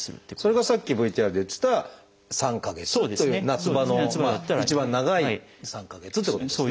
それがさっきＶＴＲで言ってた３か月という夏場の一番長い３か月ということですね。